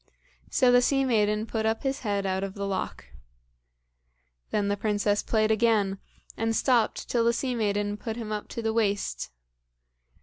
So the sea maiden put up his head out of the loch. Then the princess played again, and stopped till the sea maiden put him up to the waist.